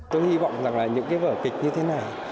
tôi hy vọng rằng là những cái vở kịch như thế này